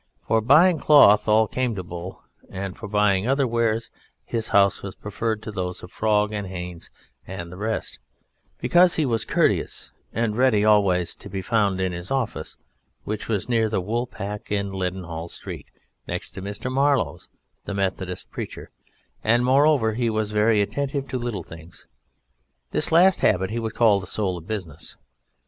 For buying cloth all came to Bull; and for buying other wares his house was preferred to those of Frog and Hans and the rest, because he was courteous and ready, always to be found in his office (which was near the Wool pack in Leaden Hall Street, next to Mr. Marlow's, the Methodist preacher), and moreover he was very attentive to little things. This last habit he would call the soul of business.